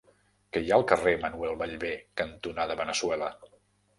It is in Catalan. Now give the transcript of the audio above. Què hi ha al carrer Manuel Ballbé cantonada Veneçuela?